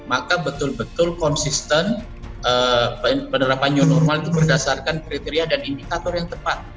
maka betul betul konsisten penerapan new normal itu berdasarkan kriteria dan indikator yang tepat